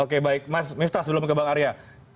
oke baik mas miftas belum kebak arya